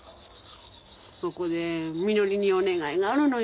そこでみのりにお願いがあるのよ。